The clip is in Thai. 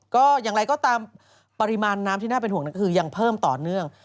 ก็อย่างไรก็ตามปริมาณน้ำที่น่าเป็นห่วงก็คือยังเพิ่มต่อเนื่อง